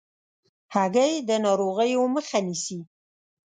هګۍ د ناروغیو مخه نیسي.